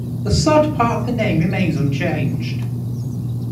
The Sod part of the name remains unchanged.